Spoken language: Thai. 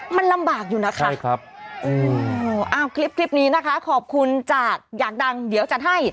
มันลำบากอยู่นะคะใช่ครับคลิปนี้นะคะขอบคุณจากอยากดังเดี๋ยวจัดให้